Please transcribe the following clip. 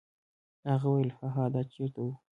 هغه وویل: هاها دا چیرته و؟